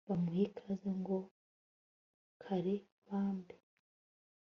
Bamuha ikaze ngo kare bambe